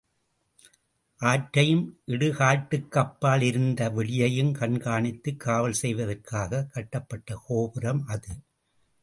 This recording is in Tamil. ஆற்றையும் இடுகாட்டுக்கப்பால் இருந்த வெளியையும் கண்காணித்துக் காவல் செய்வதற்காகக் கட்டப்பட்ட கோபுரம் அது.